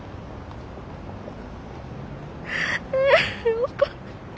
よかった。